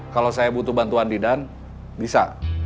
kalau saya butuh bantuan di dan bisa